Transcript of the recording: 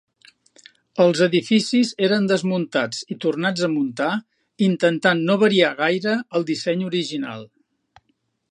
Els edificis eren desmuntats i tornats a muntar intentant no variar gaire el disseny original.